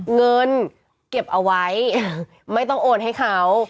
เงินเก็บเอาไว้ไม่ต้องโอนให้เขา